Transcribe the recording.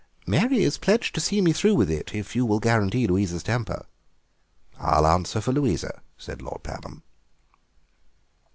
"Mary is pledged to see me through with it, if you will guarantee Louisa's temper." "I'll answer for Louisa," said Lord Pabham.